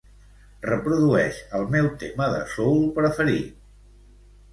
Reprodueix el meu tema de soul preferit.